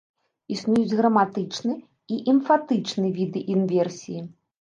Існуюць граматычны і эмфатычны віды інверсіі.